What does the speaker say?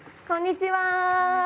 こんにちは。